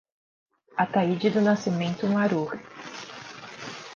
Ataide do Nascimento Marruch